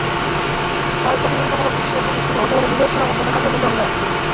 তাই প্রতিযোগিতামূলক বিশ্বে প্রতিষ্ঠিত হতে হলে নিজের সীমাবদ্ধতা কাটিয়ে তুলতে হবে।